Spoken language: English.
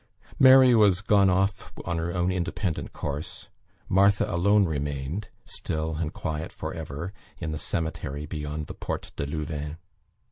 "Mary" was gone off on her own independent course; Martha alone remained still and quiet for ever, in the cemetery beyond the Porte de Louvain.